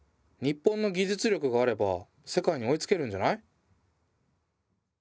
日本の技術力があれば世界に追いつけるんじゃない？